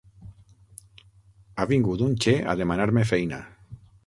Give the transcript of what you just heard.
Ha vingut un xe a demanar-me feina.